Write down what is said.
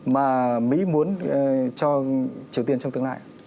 mà mỹ muốn cho triều tiên trong tương lai